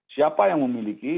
siapa yang memiliki